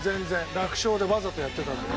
楽勝でわざとやってたんだよ。